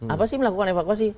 apa sih melakukan evakuasi